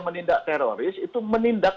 menindak teroris itu menindak